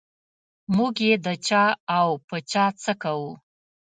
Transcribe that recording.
موږ یې د چا او په چا څه کوو.